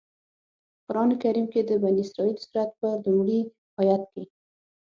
په قرآن کریم کې د بنی اسرائیل سورت په لومړي آيت کې.